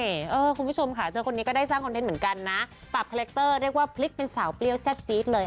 คุณผู้ชมค่ะเจอคนนี้ก็ได้สร้างคอนเทนต์เหมือนกันนะปรับคาแรคเตอร์เรียกว่าพลิกเป็นสาวเปรี้ยวแซ่บจี๊ดเลย